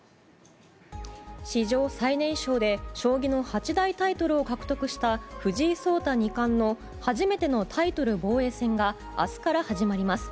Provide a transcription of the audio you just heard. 史上最年少で将棋の八大タイトルを獲得した藤井聡太二冠の初めてのタイトル防衛戦が明日から始まります。